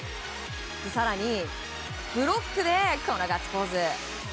更に、ブロックでこのガッツポーズ。